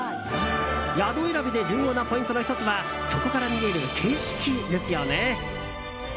宿選びで重要なポイントの１つはそこから見える景色ですよね。